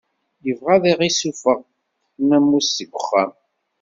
Ibɣa ad aɣ-issufeɣ nnamus seg uxxam.